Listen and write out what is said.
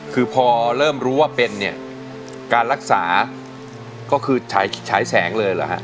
คือพอเริ่มรู้ว่าเป็นเนี่ยการรักษาก็คือฉายแสงเลยเหรอฮะ